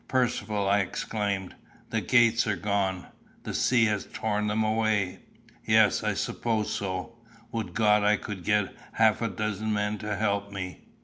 "Percivale," I exclaimed, "the gates are gone; the sea has torn them away." "Yes, I suppose so. Would God I could get half a dozen men to help me.